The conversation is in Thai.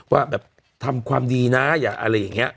ว่าแบบทำความดีนะอย่าอะไรอย่างนี้